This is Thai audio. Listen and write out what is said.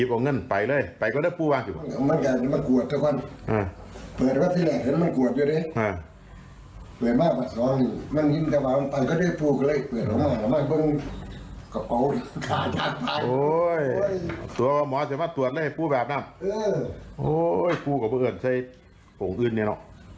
บ้างแล้วปูด้าเดี๋ยวตำรวจไปนั่งเบื้องไห่กัน